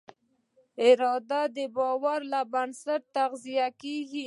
اراده د باور له بنسټه تغذیه کېږي.